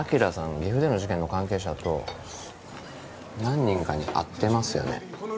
岐阜での事件の関係者と何人かに会ってますよね